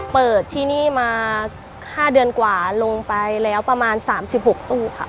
เปิดที่นี่มา๕เดือนกว่าลงไปแล้วประมาณ๓๖ตู้ค่ะ